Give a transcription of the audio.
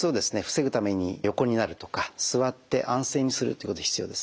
防ぐために横になるとか座って安静にするってこと必要ですね。